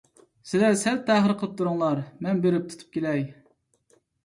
سىلەر سەل تەخىر قىلىپ تۇرۇڭلار، مەن بېرىپ تۇتۇپ كېلەي.